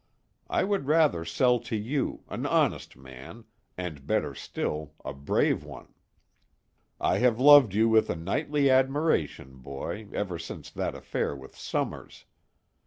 I would rather sell to you, an honest man, and better still, a brave one. I have loved you with a knightly admiration, boy, ever since that affair with Summers.